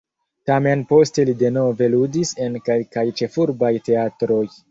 Tamen poste li denove ludis en kelkaj ĉefurbaj teatroj.